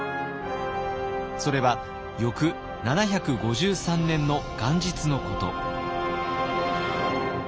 それは翌７５３年の元日のこと。